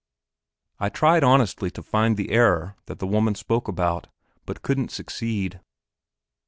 I tried honestly to find the error that the woman spoke about, but couldn't succeed.